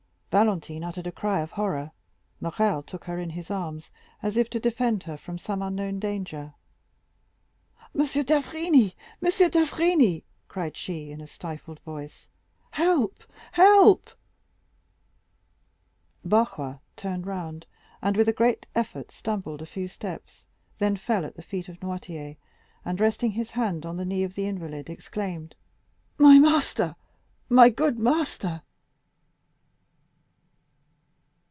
Valentine uttered a cry of horror; Morrel took her in his arms, as if to defend her from some unknown danger. "M. d'Avrigny, M. d'Avrigny," cried she, in a stifled voice. "Help, help!" Barrois turned round and with a great effort stumbled a few steps, then fell at the feet of Noirtier, and resting his hand on the knee of the invalid, exclaimed: "My master, my good master!"